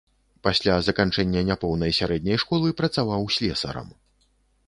Пасля заканчэння няпоўнай сярэдняй школы працаваў слесарам.